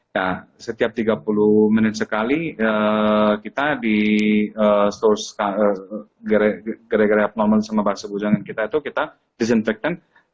nah setiap tiga puluh menit sekali kita di store gerai gerai abnormal semama sama kita itu kita disinfectant